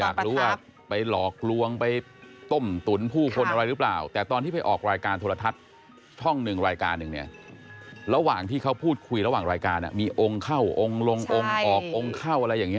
อยากรู้ว่าไปหลอกลวงไปต้มตุ๋นผู้คนอะไรหรือเปล่าแต่ตอนที่ไปออกรายการโทรทัศน์ช่องหนึ่งรายการหนึ่งเนี่ยระหว่างที่เขาพูดคุยระหว่างรายการมีองค์เข้าองค์ลงองค์ออกองค์เข้าอะไรอย่างนี้